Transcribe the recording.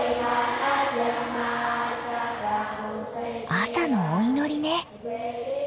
朝のお祈りね。